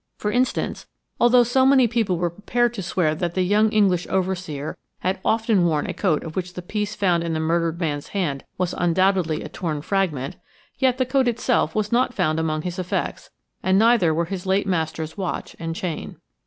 For instance, although so many people were prepared to swear that the young English overseer had often worn a coat of which the piece found in the murdered man's hand was undoubtedly a torn fragment, yet the coat itself was not found among his effects, neither were his late master's watch and chain.